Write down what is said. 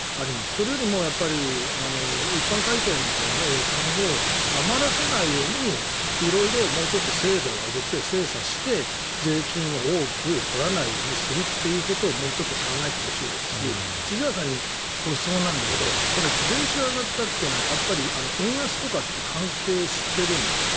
それよりも一般会計のほうの予算を余らせないように色々、もうちょっと精度を上げて精査して税金を多く取らないようにするということをもうちょっと考えてほしいですし千々岩さんに質問なんだけどこれ、税収上がったというのはやっぱり円安とかって関係してるんですか？